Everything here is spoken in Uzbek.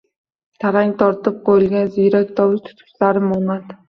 tarang tortib qo‘yilgan ziyrak tovush tutgichlari monand